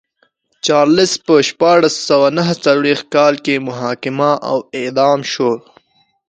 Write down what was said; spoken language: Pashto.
چارلېز په شپاړس سوه نه څلوېښت کال کې محاکمه او اعدام شو.